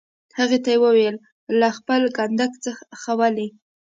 هغه ته وویل: له خپل کنډک څخه ولې.